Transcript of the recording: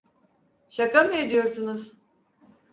Şaka mı ediyorsunuz?